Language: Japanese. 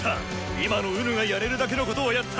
今の己がやれるだけのことはやった。